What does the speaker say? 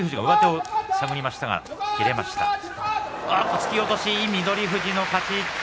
突き落とし、翠富士の勝ち。